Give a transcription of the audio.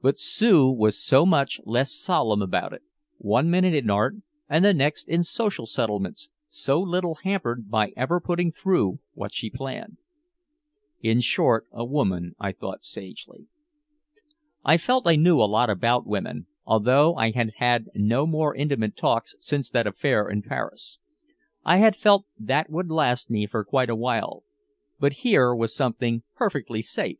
But Sue was so much less solemn about it, one minute in art and the next in social settlements, so little hampered by ever putting through what she planned. "In short, a woman," I thought sagely. I felt I knew a lot about women, although I had had no more intimate talks since that affair in Paris. I had felt that would last me for quite a while. But here was something perfectly safe.